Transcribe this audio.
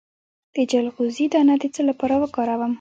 د چلغوزي دانه د څه لپاره وکاروم؟